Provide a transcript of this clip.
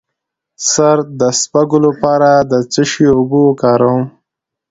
د سر د سپږو لپاره د څه شي اوبه وکاروم؟